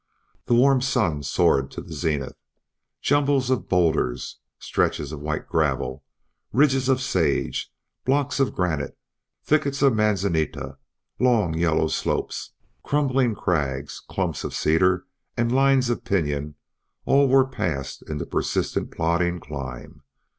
The warm sun soared to the zenith. Jumble of bowlders, stretches of white gravel, ridges of sage, blocks of granite, thickets of manzanita, long yellow slopes, crumbling crags, clumps of cedar and lines of pinon all were passed in the persistent plodding climb.